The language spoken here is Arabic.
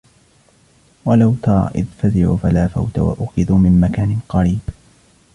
ولو ترى إذ فزعوا فلا فوت وأخذوا من مكان قريب